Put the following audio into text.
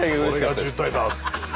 これが渋滞だっつって。